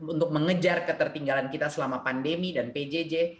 untuk mengejar ketertinggalan kita selama pandemi dan pjj